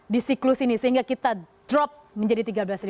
di siklus ini sehingga kita drop menjadi tiga belas delapan ratus enam puluh lima